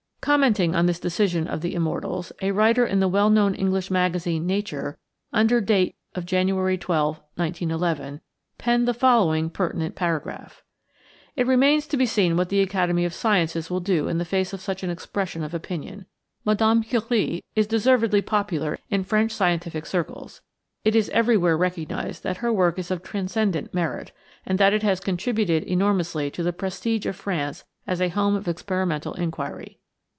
Commenting on this decision of The Immortals, a writer in the well known English magazine, Nature, under date of January 12, 1911, penned the following pertinent paragraph: "It remains to be seen what the Academy of Sciences will do in the face of such an expression of opinion. Mme. Curie is deservedly popular in French scientific circles. It is everywhere recognized that her work is of transcendent merit, and that it has contributed enormously to the prestige of France as a home of experimental inquiry.